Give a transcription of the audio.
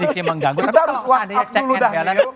kita harus whatsapp dulu dah